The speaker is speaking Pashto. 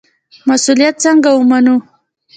مسوولیت څنګه ومنو؟